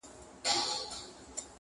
دا مې یاران دي یاران څۀ ته وایي ,